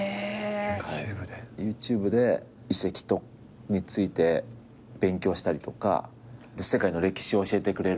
ＹｏｕＴｕｂｅで遺跡について勉強したりとか世界の歴史を教えてくれるチャンネルとか。